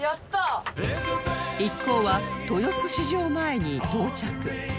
一行は豊洲市場前に到着